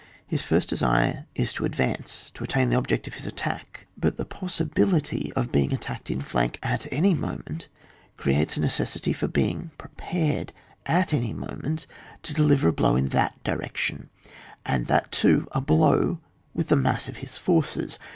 His first desire is to advance to attain the object of his attack ; but the possibility of being at tacked in flank at aqjr moment, creates a necessity for being prepared,, at any mo ment, to deliver a blow in that direction, and that too a blow with the mass of his forces.